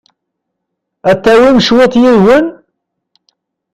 Ad tawim cwiṭ yid-wen?